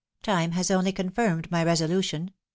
"Time has only confirmed my resolution.